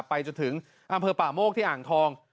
ไปจนถึงอำเภอป่าโมกที่อ่างทอง